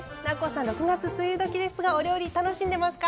６月梅雨どきですがお料理楽しんでますか？